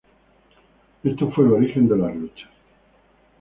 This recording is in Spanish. Este fue el origen de las luchas.